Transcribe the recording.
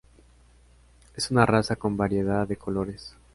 Es una raza con variedad de colores.